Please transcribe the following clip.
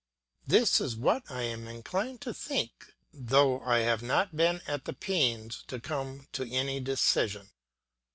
This is what I am inclined to think though I have not been at the pains to come to any decision.